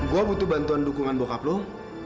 gue butuh bantuan dukungan bok abloh